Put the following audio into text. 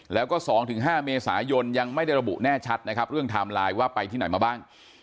แล้วก็๒๕เมษายนยังไม่ได้ระบุแน่ชัดนะครับเรื่องไทม์ไลน์ว่าไปที่ไหนมาบ้าง